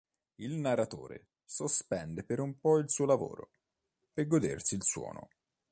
Il narratore sospende per un po' il suo lavoro per godersi il suono.